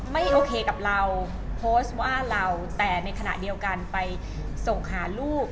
ไม่โอเคกับเราโพสต์ว่าเราแต่ในขณะเดียวกันไปส่งหาลูก